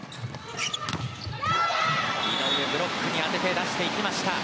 井上、ブロックに当てていきました。